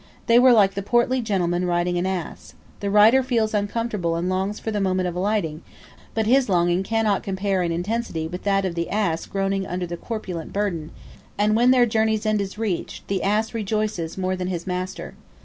They were like the portly gentleman riding an ass. The rider feels uncomfortable and longs for the moment of alighting, but his longing cannot compare in intensity with that of the ass groaning under the corpulent burden, and when their journey's end is reached, the ass rejoices more than his master.